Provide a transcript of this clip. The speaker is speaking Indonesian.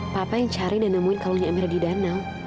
papa yang cari dan nemenin kalungnya amira di danau